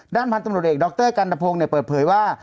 ด้านพันธุ์ตำรวจเอกดรกันตะพงศ์เปิดเผยว่า